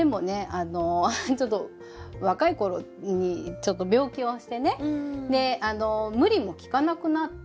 あのちょっと若い頃にちょっと病気をしてねであの無理も利かなくなって。